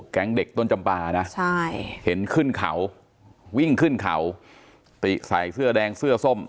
เด็กต้นจำปานะใช่เห็นขึ้นเขาวิ่งขึ้นเขาติใส่เสื้อแดงเสื้อส้ม